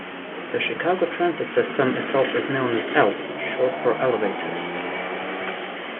The Chicago transit system itself is known as "L", short for "elevated".